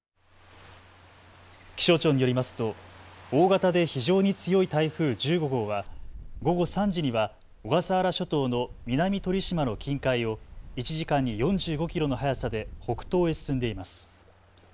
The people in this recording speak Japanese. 気象庁によりますと大型で非常に強い台風１５号は午後３時には小笠原諸島の南鳥島の近海を１時間に４５キロの速さで北東へ進んでいます。